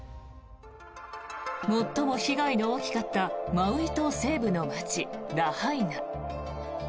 最も被害の大きかったマウイ島西部の街、ラハイナ。